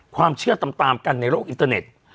ความเชื่อตามกันในโลกอินเตอร์เน็ต